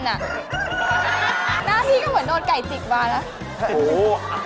หน้าที่ก็เหมือนโดนไก่จิกมาแล้ว